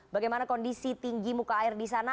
bagaimana kondisi tinggi muka air di sana